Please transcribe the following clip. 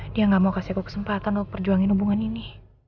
dia gak mau kasih aku kesempatan untuk perjuangin hubungan ini